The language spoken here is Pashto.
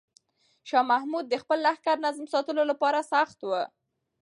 شاه محمود د خپل لښکر نظم ساتلو لپاره سخت و.